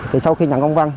thì sau khi nhận công quan